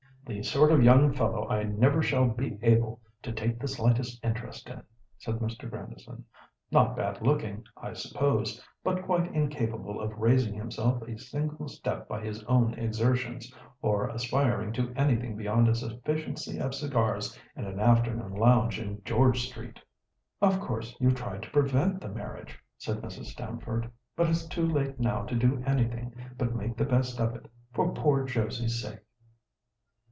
"The sort of young fellow I never shall be able to take the slightest interest in," said Mr. Grandison; "not bad looking, I suppose, but quite incapable of raising himself a single step by his own exertions, or aspiring to anything beyond a sufficiency of cigars and an afternoon lounge in George Street." "Of course you tried to prevent the marriage," said Mrs. Stamford; "but it's too late now to do anything but make the best of it, for poor Josie's sake."